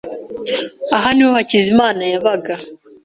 Aha niho Hakizimana yabaga.